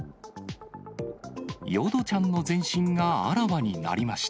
淀ちゃんの全身があらわになりました。